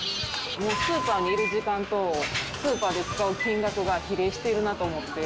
スーパーにいる時間とスーパーで使う金額が比例してるなと思って。